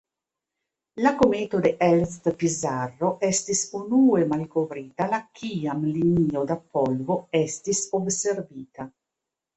La kometo de Elst-Pizarro estis unue malkovrita la kiam linio da polvo estis observita.